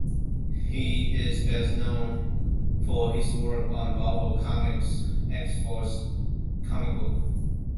He is best known for his work on Marvel Comics' "X-Force" comic book.